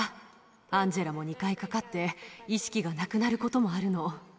アンジェラも２回かかって、意識がなくなることもあるの。